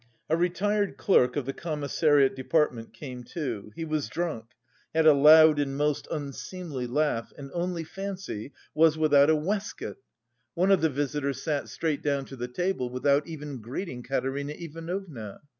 A retired clerk of the commissariat department came, too; he was drunk, had a loud and most unseemly laugh and only fancy was without a waistcoat! One of the visitors sat straight down to the table without even greeting Katerina Ivanovna.